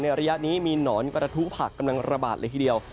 ระยะนี้มีหนอนกระทุผักกำลังระบาดเลยทีเดียว